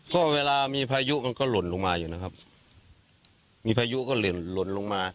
ก็เวลามีพายุมันก็หล่นลงมาอยู่นะครับมีพายุก็หล่นหล่นลงมา